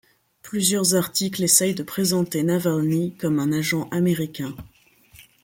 Plusieurs articles essayent de présenter Navalny comme un agent américain.